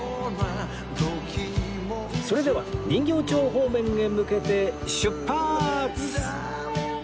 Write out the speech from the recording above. それでは人形町方面へ向けて出発！